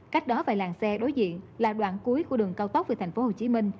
cách đó vài làng xe đối diện là đoạn cuối của đường cao tốc về tp hcm